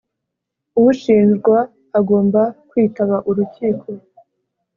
ushinjwa agomba kwitaba urukiko.